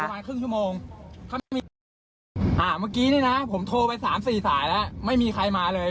อ่าเมื่อกี้นี้นะผมโทรไปสามสี่สายแล้วไม่มีใครมาเลย